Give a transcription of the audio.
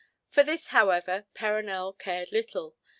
For this, however, Perronel cared little.